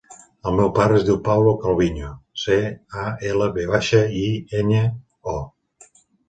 El meu pare es diu Pablo Calviño: ce, a, ela, ve baixa, i, enya, o.